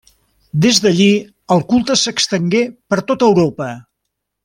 Des d'allí, el culte s'estengué per tot Europa.